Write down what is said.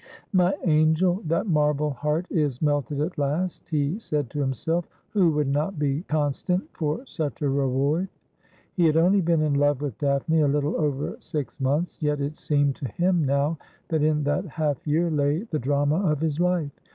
' My angel, that marble heart is melted at last,' he said to himself. ' Who would not be constant, for such a reward ?' He had only been in love with Daphne a little over six months, yet it seemed to him now that in that half year lay the drama of his life.